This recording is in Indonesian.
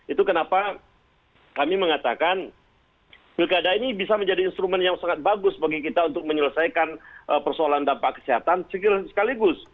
itu kenapa kami mengatakan pilkada ini bisa menjadi instrumen yang sangat bagus bagi kita untuk menyelesaikan persoalan dampak kesehatan sekaligus